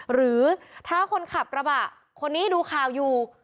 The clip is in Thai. หรือถ้าคนขับกระบะคนนี้ดูข่าวอยู่